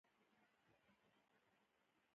ایا مصنوعي ځیرکتیا د مسؤلیت ټاکل نه ستونزمن کوي؟